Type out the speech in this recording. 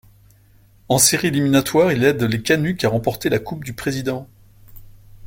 En séries éliminatoires, il aide les Canucks à remporter la Coupe du président.